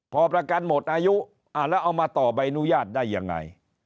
พอประกันหมดอายุแล้วเอามาต่อใบอนุญาตได้ยังไง